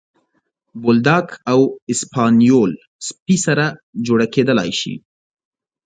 بولداګ او اسپانیول سپي سره جوړه کېدلی شي.